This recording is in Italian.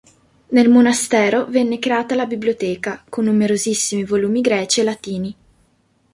Nel monastero venne creata la biblioteca, con numerosissimi volumi greci e latini.